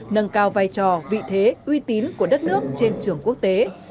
nâng cao vai trò vị thế uy tín của đất nước trên trường quốc tế